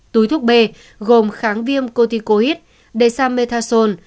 túi thuốc b gồm kháng viêm coticoid desamethasone